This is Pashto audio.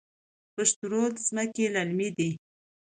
پشت رود ځمکې للمي دي؟